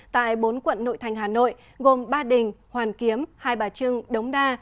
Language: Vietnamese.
tại bốn quận nội thành hà nội gồm ba đình hoàn kiếm hai bà trưng đống đa